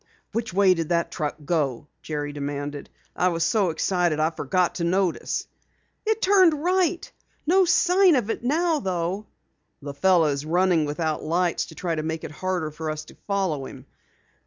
"Which way did the truck go?" Jerry demanded. "I was so excited I forgot to notice." "It turned right. No sign of it now, though." "The fellow is running without lights to make it harder for us to follow him."